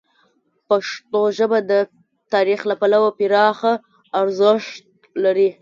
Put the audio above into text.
پښتو ژبه د تاریخ له پلوه پراخه ارزښت لري.